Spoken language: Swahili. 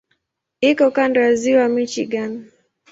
Iko kando ya Ziwa Michigan.